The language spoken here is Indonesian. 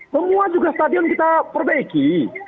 semua juga stadion kita perbaiki